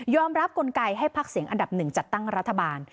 รับกลไกให้พักเสียงอันดับหนึ่งจัดตั้งรัฐบาล